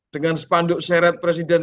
dengan sepanduk seret presiden